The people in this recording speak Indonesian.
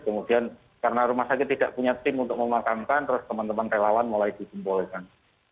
kemudian karena rumah sakit tidak punya tim untuk memakamkan terus teman teman relawan mulai dijempolkan